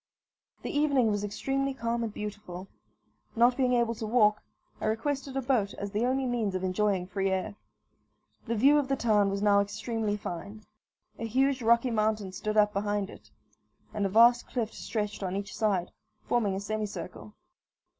The evening was extremely calm and beautiful. Not being able to walk, I requested a boat as the only means of enjoying free air. The view of the town was now extremely fine. A huge rocky mountain stood up behind it, and a vast cliff stretched on each side, forming a semicircle.